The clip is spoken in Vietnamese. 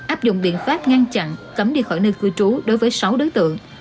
áp dụng biện pháp ngăn chặn cấm đi khỏi nơi cư trú đối với sáu đối tượng